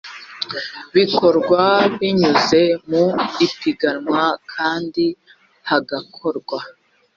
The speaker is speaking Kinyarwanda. bikorwa binyuze mu ipiganwa kandi hagakorwa